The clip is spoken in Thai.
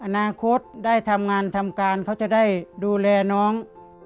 อนาคตได้ทำงานทำการเขาจะได้ดูแลน้อง